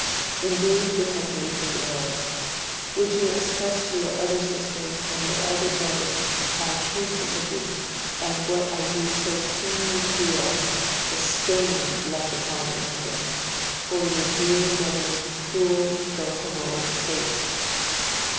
Indeed, it has made me ill ... Would you express to your other sisters and your elder Brother my true sympathy, and what I do so keenly feel, the STAIN left upon England, for your dear Brother's cruel, though heroic, fate!'